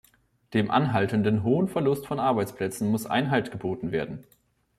Dem anhaltenden hohen Verlust von Arbeitsplätzen muss Einhalt geboten werden.